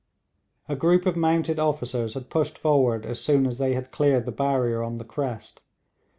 A group of mounted officers had pushed forward as soon as they had cleared the barrier on the crest.